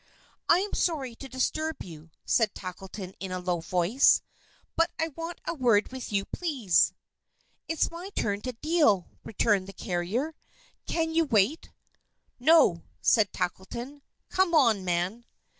"I am sorry to disturb you," said Tackleton in a low voice, "but I want a word with you, please." "It's my turn to deal," returned the carrier. "Can you wait?" "No," said Tackleton. "Come on, man."